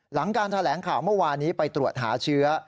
หลังการแถลงข่าวเมื่อวานนี้ไปตรวจหาเชื้อ